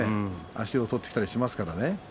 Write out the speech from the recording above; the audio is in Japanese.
足を取ってきたりしますからね。